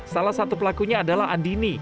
salah satu pelakunya adalah andini